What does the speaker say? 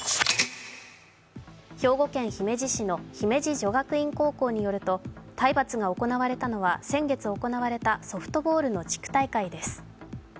兵庫県姫路市の姫路女学院高校によると、体罰行われたのは先月行われたソフトボールの地区大会です。